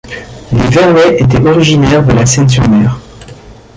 Les Vernet étaient originaires de La Seyne-sur-Mer.